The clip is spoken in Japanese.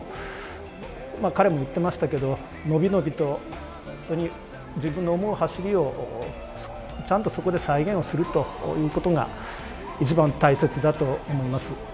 彼も言っていましたけど、伸び伸びと自分の思う走りをちゃんとそこで再現をするということが一番大切だと思います。